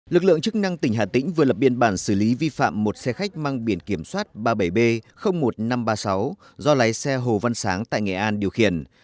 lực lượng chức năng tỉnh hà tĩnh vừa lập biên bản xử lý vi phạm một xe khách mang biển kiểm soát ba mươi bảy b một nghìn năm trăm ba mươi sáu do lái xe hồ văn sáng tại nghệ an điều khiển